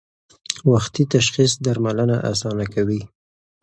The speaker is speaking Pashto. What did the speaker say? وختي تشخیص درملنه اسانه کوي.